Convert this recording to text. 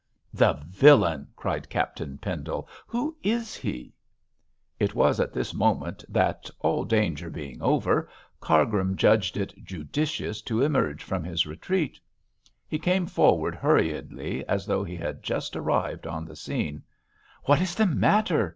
'The villain!' cried Captain Pendle; 'who is he?' It was at this moment that, all danger being over, Cargrim judged it judicious to emerge from his retreat. He came forward hurriedly, as though he had just arrived on the scene. 'What is the matter?'